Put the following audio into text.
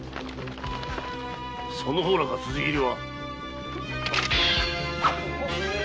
その方らか辻斬りは？